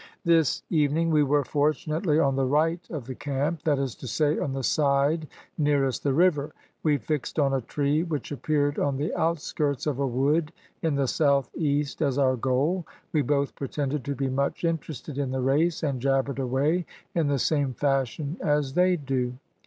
"This evening we were fortunately on the right of the camp, that is to say on the side nearest the river. We fixed on a tree which appeared on the outskirts of a wood in the south east as our goal. We both pretended to be much interested in the race, and jabbered away in the same fashion as they do.